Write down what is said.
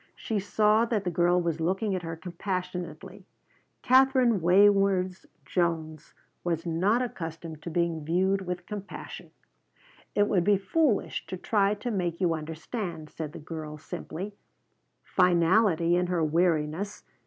She saw that the girl was looking at her compassionately. Katherine Wayneworth Jones was not accustomed to being viewed with compassion. "It would be foolish to try to make you understand," said the girl simply, finality in her weariness.